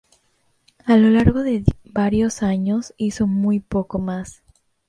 A lo largo de varios años hizo muy poco más.